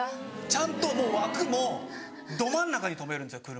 ちゃんともう枠もど真ん中に止めるんですよ車。